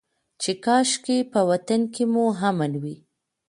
چې کاشکي په وطن کې مو امن وى.